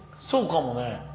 そうかもね。